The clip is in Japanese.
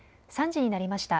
３時になりました。